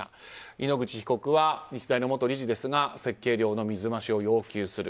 井ノ口被告は日大の元理事ですが設計料の水増しを要求する。